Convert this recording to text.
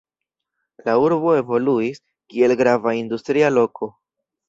La urbo evoluis, kiel grava industria loko.